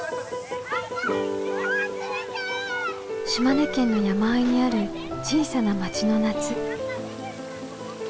島根県の山あいにある小さな町の夏。